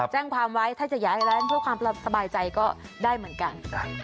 แจ้งความไว้ถ้าจะย้ายร้านเพื่อความสบายใจก็ได้เหมือนกัน